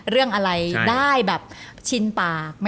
เรื่องอะไรได้แบบชินปาก